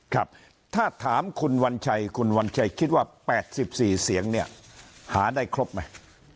ครับถ้าถามคุณวัญชัยคุณวัญชัยคิดว่า๘๔เสียงเนี่ยหาได้ครบไหม